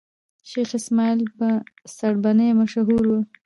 شېخ اسماعیل په سړبني مشهور وو.